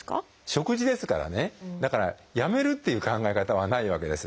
食事ですからねだからやめるっていう考え方はないわけです。